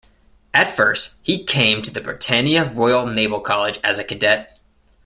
At first, he came to the Britannia Royal Naval College as a cadet.